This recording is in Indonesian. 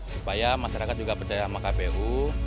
supaya masyarakat juga percaya sama kpu